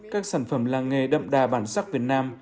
các sản phẩm làng nghề đậm đà bản sắc việt nam